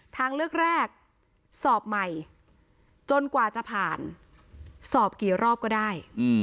ทางเลือกแรกสอบใหม่จนกว่าจะผ่านสอบกี่รอบก็ได้